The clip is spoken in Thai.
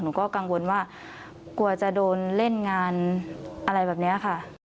หนูก็กังวลว่ากลัวจะโดนเล่นงานอะไรแบบนี้ค่ะ